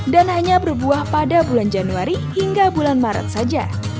dan hanya berbuah pada bulan januari hingga bulan maret saja